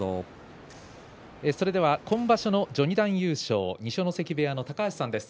それでは今場所の序二段優勝二所ノ関部屋の高橋さんです。